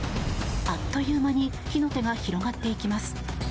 あっという間に火の手が広がっていきます。